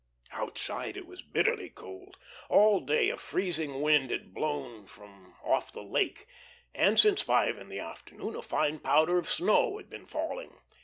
Outside it was bitterly cold. All day a freezing wind had blown from off the Lake, and since five in the afternoon a fine powder of snow had been falling.